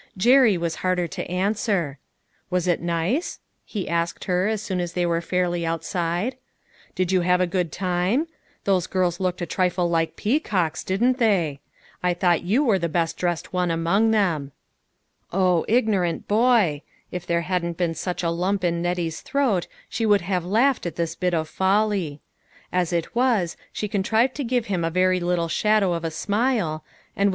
Jerry was harder to answer. " Was it nice ?" he asked her, as soon as they were fairly outside. " Did you have a good time ? Those girls looked a trifle like peacocks, didn't they? I thought you were the best dressed one among them." O, ignorant boy! If there hadn't been such a lump in Nettie's throat, she would have laughed at this bit of folly. As it was, she contrived to give him a very little shadow of a smile, and was 158 LITTLE FISHERS : AND THEIE NETS.